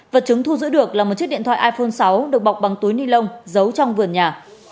vật chứng thu giữ được là một chiếc điện thoại iphone sáu được bọc bằng túi ni lông giấu trong vườn nhà